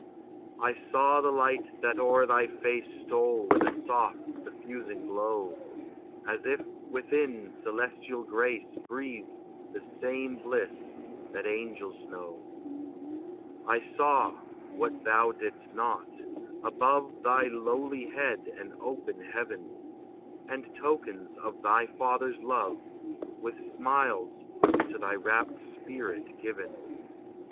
I saw the light that o'er thy face Stole with a soft, suffusing glow, As if, within, celestial grace Breathed the same bliss that angels know. HIMA\ EXPERIENCE. 341 I saw — what thou didst not — above Thy lowly head an open heaven; And tokens of thy Father's love With smiles to thy rapt spirit given.